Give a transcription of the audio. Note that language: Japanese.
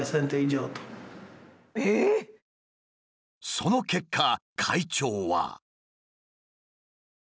その結果会長は。